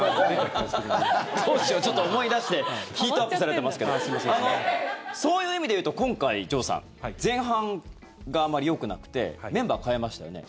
ちょっと思い出してヒートアップされてますけどそういう意味でいうと今回、城さん前半があまりよくなくてメンバー代えましたよね。